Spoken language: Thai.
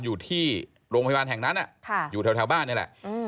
อยู่ที่โรงพยาบาลแห่งนั้นอยู่แถวบ้านนี่แหละ